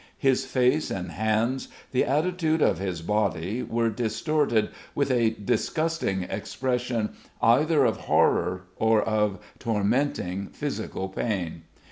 His face and hands, the attitude of his body were distorted with a disgusting expression either of horror or of tormenting physical pain.